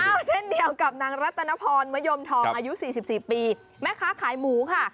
เช่นเดียวกับนางรัตนพรมะยมทองอายุ๔๔ปีแม่ค้าขายหมูค่ะ